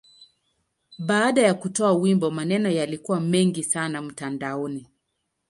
Baada ya kutoa wimbo, maneno yalikuwa mengi sana mtandaoni.